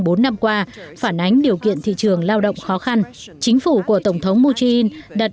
bốn năm qua phản ánh điều kiện thị trường lao động khó khăn chính phủ của tổng thống moon jae in đặt